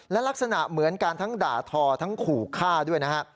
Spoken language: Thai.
และลักษณะเหมือนการทั้งด่าทอทั้งขู่ฆ่าด้วยนะฮะ